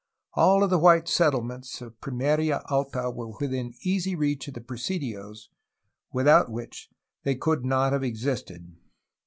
All the wmte settle ments of Pimeria Alta were within easy reach of the presidios, without which they could not have existed.